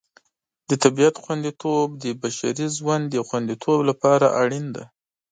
د طبیعت خوندیتوب د بشري ژوند د خوندیتوب لپاره اړین دی.